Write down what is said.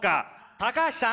高橋さん